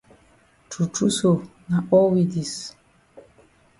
True true so na all we dis.